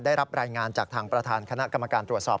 ได้รับรายงานจากทางประธานคณะกรรมการตรวจสอบ